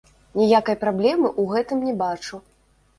Ніякай праблемы ў гэтым не бачу.